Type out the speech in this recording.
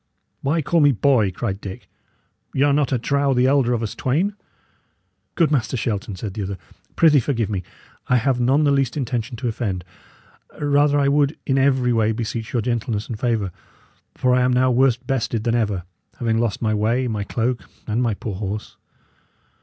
"Why call me 'boy'?" cried Dick. "Y' are not, I trow, the elder of us twain." "Good Master Shelton," said the other, "prithee forgive me. I have none the least intention to offend. Rather I would in every way beseech your gentleness and favour, for I am now worse bested than ever, having lost my way, my cloak, and my poor horse.